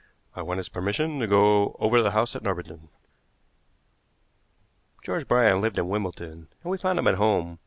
I want his permission to go over the house at Norbiton." George Bryant lived at Wimbledon, and we found him at home.